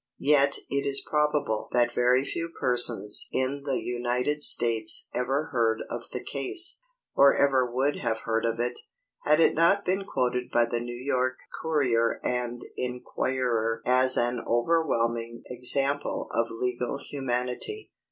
Yet it is probable that very few persons in the United States ever heard of the case, or ever would have heard of it, had it not been quoted by the New York Courier and Enquirer as an overwhelming example of legal humanity.